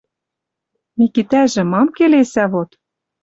Микитӓжӹ мам келесӓ вот?